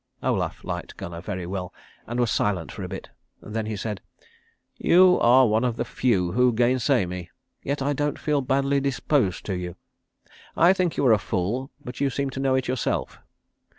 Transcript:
Olaf liked Gunnar very well, and was silent for a bit. Then he said, "You are one of the few who gainsay me; yet I don't feel badly disposed to you. I think you are a fool; but you seem to know it yourself."